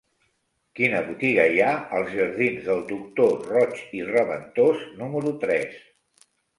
Quina botiga hi ha als jardins del Doctor Roig i Raventós número tres?